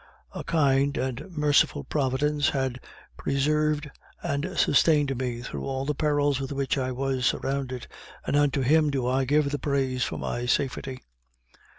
A kind and merciful Providence had preserved and sustained me through all the perils with which I was surrounded, and unto Him do I give the praise for my safety.